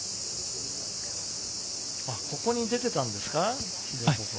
ここに出ていたんですか？